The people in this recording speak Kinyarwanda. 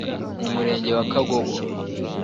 mu Murenge wa Kagogo